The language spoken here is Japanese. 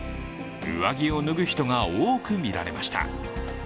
上着を脱ぐ人が多く見られました。